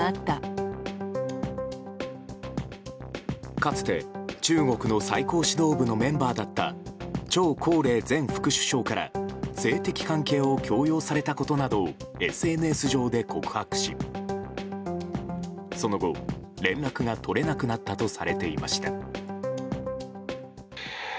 かつて中国の最高指導部のメンバーだったチョウ・コウレイ前副首相から性的関係を強要されたことなどをＳＮＳ上で告白しその後、連絡が取れなくなったとされていました。